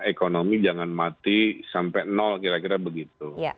ekonomi jangan mati sampai nol kira kira begitu